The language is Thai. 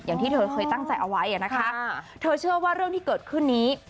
อย่างที่เธอเคยตั้งใจเอาไว้นะคะเธอเชื่อว่าเรื่องที่เกิดขึ้นนี้